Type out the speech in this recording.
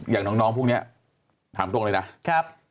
อย่างน้องพวกนี้ถามตรงเลยนะครับ